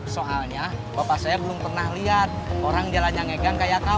soalnya bapak saya belum pernah lihat orang yang jalannya ngagang kayak kamu